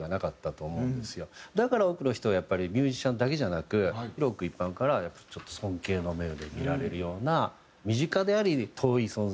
だから多くの人はやっぱりミュージシャンだけじゃなく広く一般からやっぱりちょっと尊敬の目で見られるような身近であり遠い存在。